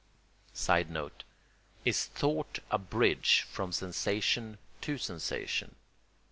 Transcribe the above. [Sidenote: Is thought a bridge from sensation to sensation?